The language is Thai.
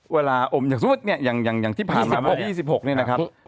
ว่าลาอมอย่างยังที่พาล๒๖นี่นะครับ